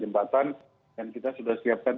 jembatan dan kita sudah siapkan